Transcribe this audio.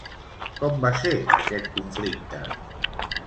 Com va ser aquest conflicte?